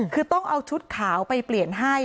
คือต้องเอาชุดขาวไปเปลี่ยนให้